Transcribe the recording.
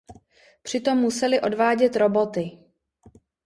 Při tom museli odvádět roboty.